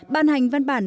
bàn hành văn bản